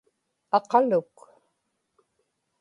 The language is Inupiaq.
aqaluk